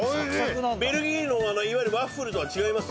ベルギーのあのいわゆるワッフルとは違います？